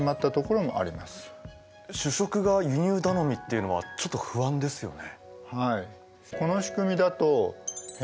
主食が輸入頼みっていうのはちょっと不安ですよね。